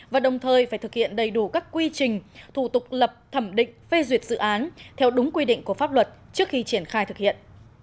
và đồng thời phải thực hiện đầy đủ các quy trình thủ tục lập thẩm định phê duyệt dự án theo đúng quy định của pháp luật trước khi triển khai thực hiện